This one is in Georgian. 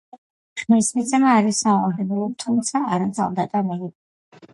ხმის მიცემა არის სავალდებულო, თუმცა არა ძალდატანებითი.